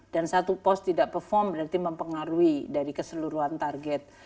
satu pos tidak perform berarti mempengaruhi dari keseluruhan target